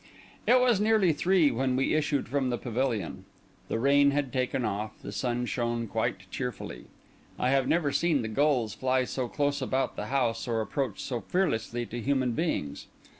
It was nearly three when we issued from the pavilion. The rain had taken off; the sun shone quite cheerfully. I have never seen the gulls fly so close about the house or approach so fearlessly to human beings.